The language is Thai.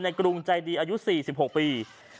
หารุดติอะลเลย